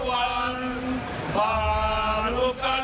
สวัสดีครับทุกคน